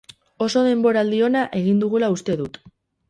Oso denboraldi ona egin dugula uste dut.